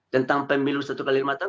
tentang pemilu satu kali lima tahun